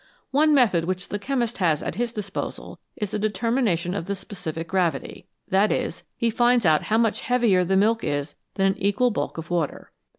One method which the chemist has at his disposal is the determination of the specific gravity that is, he finds out how much heavier the milk is than an equal bulk of water.